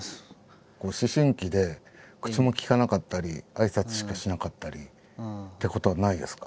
思春期で口も利かなかったり挨拶しかしなかったりってことはないですか？